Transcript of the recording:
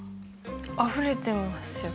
あふれてますよ。